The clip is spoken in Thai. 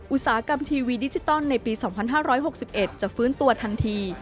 อุตสาหกรรมทีวีดิจิตอลในปี๒๕๖๑จะฟื้นตัวทันที